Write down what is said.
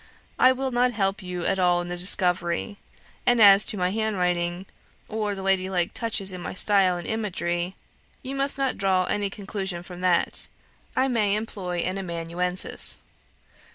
I will not help you at all in the discovery; and as to my handwriting, or the ladylike touches in my style and imagery, you must not draw any conclusion from that I may employ an amanuensis.